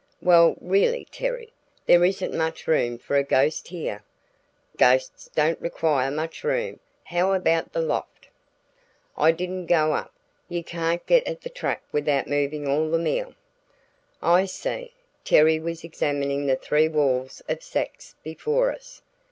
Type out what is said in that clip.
"Well, really, Terry; there isn't much room for a ghost here." "Ghosts don't require much room; how about the loft?" "I didn't go up you can't get at the trap without moving all the meal." "I see!" Terry was examining the three walls of sacks before us.